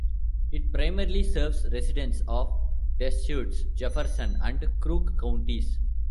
It primarily serves residents of Deschutes, Jefferson, and Crook Counties.